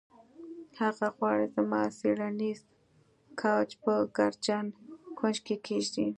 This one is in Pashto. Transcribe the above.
هغه غواړي زما څیړنیز کوچ په ګردجن کونج کې کیږدي